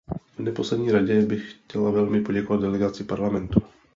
V neposlední řadě bych chtěla velmi poděkovat delegaci Parlamentu.